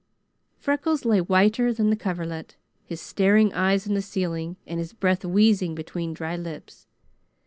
Freckles lay whiter than the coverlet, his staring eyes on the ceiling and his breath wheezing between dry lips.